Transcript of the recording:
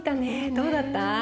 どうだった？